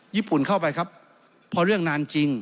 ญี่ปุ่นเข้าไปครับพอเรื่องนานจริง